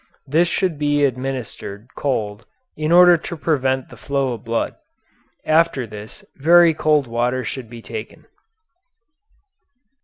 This should be administered cold in order to prevent the flow of blood. After this very cold water should be taken.